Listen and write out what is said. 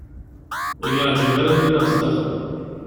Ur y-iεǧib ara ad iliɣ sdaxel.